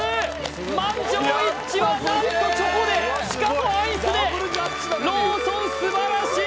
満場一致は何とチョコでしかもアイスでローソン素晴らしい！